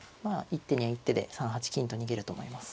一手には一手で３八金と逃げると思います。